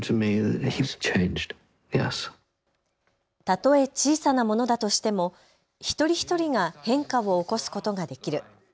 たとえ小さなものだとしても一人一人が変化を起こすことができる。